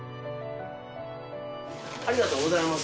ありがとうございます。